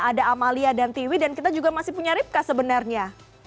ada amalia dan tiwi dan kita juga masih punya ripka sebenarnya